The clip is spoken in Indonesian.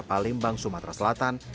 palembang sumatera selatan